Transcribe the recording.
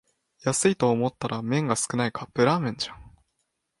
安いと思ったら麺が少ないカップラーメンじゃん